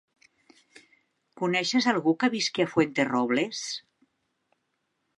Coneixes algú que visqui a Fuenterrobles?